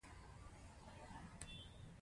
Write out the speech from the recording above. دا د اداري واحدونو ترمنځ اړیکې جوړوي.